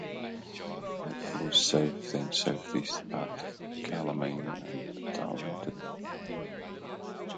It flows south, then southeast, past Calamine and Darlington.